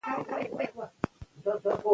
که موږ پوه سو نو څوک مو نه سي تېر ایستلای.